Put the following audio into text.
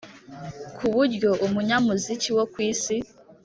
k’uburyo umunyamuziki wo ku isi